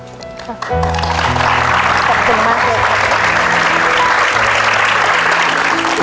ขอบคุณมากครับ